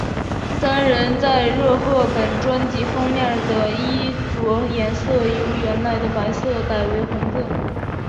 三人在热贺本专辑封面的衣着颜色由原来的白色改为红色。